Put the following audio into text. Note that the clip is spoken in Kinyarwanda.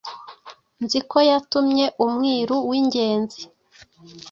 Nziko yatumye Umwiru w'ingenzi